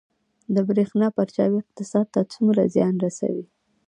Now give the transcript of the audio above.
د بریښنا پرچاوي اقتصاد ته څومره زیان رسوي؟